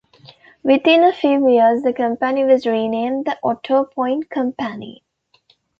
Within a few years the company was renamed, the Autopoint Company.